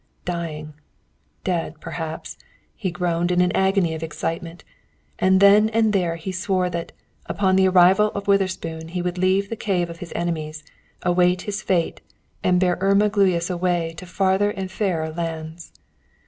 "Dying; dead, perhaps," he groaned, in an agony of excitement, and then and there he swore that, upon the arrival of Witherspoon he would leave the cave of his enemies, await his fate, and bear Irma Gluyas away to farther and fairer lands.